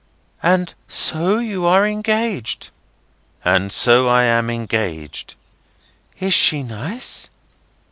And so you are engaged?" "And so I am engaged." "Is she nice?"